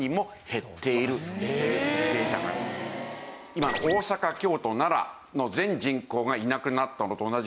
今の大阪京都奈良の全人口がいなくなったのと同じぐらいって考えると。